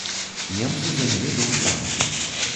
Немцы занялі дом зранку.